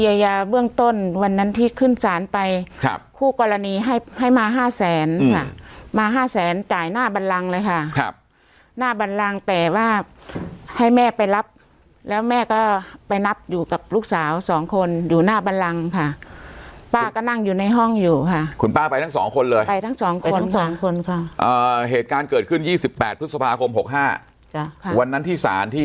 ยายาเบื้องต้นวันนั้นที่ขึ้นศาลไปครับคู่กรณีให้ให้มาห้าแสนค่ะมาห้าแสนจ่ายหน้าบันลังเลยค่ะครับหน้าบันลังแต่ว่าให้แม่ไปรับแล้วแม่ก็ไปนับอยู่กับลูกสาวสองคนอยู่หน้าบันรังค่ะป้าก็นั่งอยู่ในห้องอยู่ค่ะคุณป้าไปทั้งสองคนเลยไปทั้งสองคนสองคนค่ะอ่าเหตุการณ์เกิดขึ้นยี่สิบแปดพฤษภาคมหกห้าจ้ะค่ะวันนั้นที่สารที่